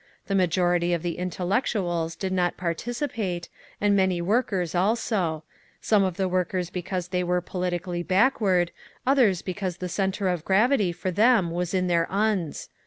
The majority of the intellectuals did not participate, and many workers also; some of the workers because they were politically backward, others because the centre of gravity for them was in their Unns….